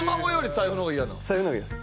財布の方が嫌です。